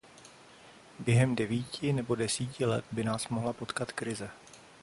Během devíti nebo desíti let by nás mohla potkat krize.